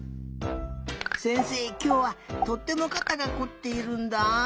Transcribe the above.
せんせいきょうはとってもかたがこっているんだ。